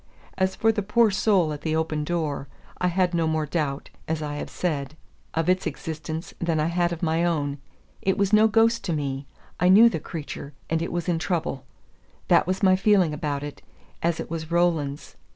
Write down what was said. As for the poor soul at the open door, I had no more doubt, as I have said, of its existence than I had of my own. It was no ghost to me. I knew the creature, and it was in trouble. That was my feeling about it, as it was Roland's.